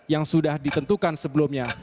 yang sudah ditentukan sebelumnya